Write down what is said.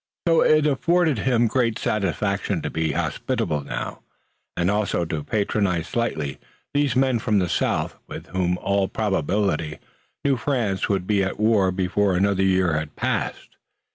So it afforded him great satisfaction to be hospitable now, and also to patronize slightly these men from the south, with whom in all probability New France would be at war before another year had passed.